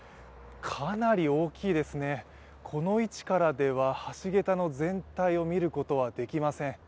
かなり大きいですね、この位置からでは橋桁の全体を見ることはできません。